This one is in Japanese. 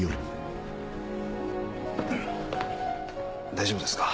大丈夫ですか？